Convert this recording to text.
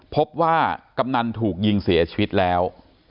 กำนันถูกยิงเสียชีวิตแล้ว